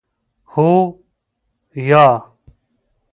هو 👍 یا 👎